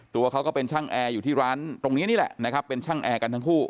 ตัวเขาก็เป็นช่างแอร์อยู่ที่ร้านตรงนี้นี่แหละนะครับเป็นช่างแอร์กันทั้งคู่